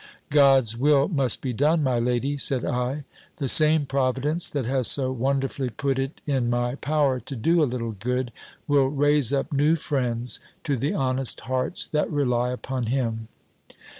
"God's will must be done, my lady," said I. "The same Providence that has so wonderfully put it in my power to do a little good, will raise up new friends to the honest hearts that rely upon him."